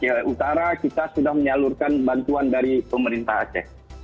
di aceh utara kita sudah menyalurkan bantuan dari pemerintah aceh